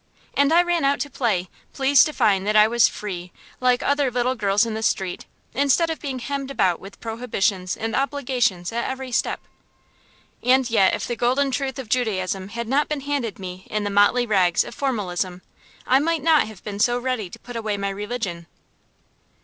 And I ran out to play, pleased to find that I was free, like other little girls in the street, instead of being hemmed about with prohibitions and obligations at every step. And yet if the golden truth of Judaism had not been handed me in the motley rags of formalism, I might not have been so ready to put away my religion.